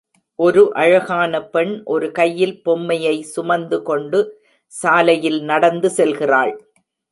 ஒரு அழகான பெண், ஒரு கையில் பொம்மையை சுமந்துகொண்டு, சாலையில் நடந்து செல்கிறாள்.